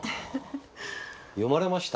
読まれました？